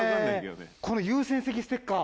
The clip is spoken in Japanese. この優先席ステッカー。